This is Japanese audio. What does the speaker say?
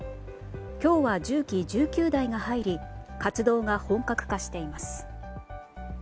今日は重機１９台が入り活動が本格化しています。